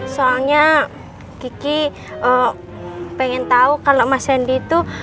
soalnya geki pengen tau kalo mas randi itu